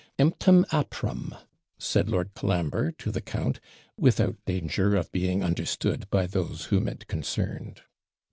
EMPTUM APRUM!' said Lord Colambre to the count, without danger of being understood by those whom it concerned.